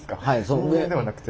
人間ではなくて。